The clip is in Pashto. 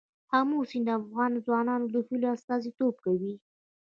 آمو سیند د افغان ځوانانو د هیلو استازیتوب کوي.